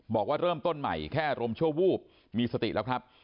บอกว่าเริ่มต้นใหม่แค่อารมณ์ชั่ววูบมีสติแล้วครับ